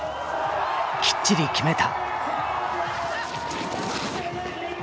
きっちり決めた。